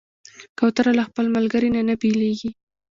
کوتره له خپل ملګري نه نه بېلېږي.